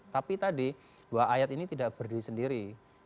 tapi tadi dua ayat ini tidak berdiri sendiri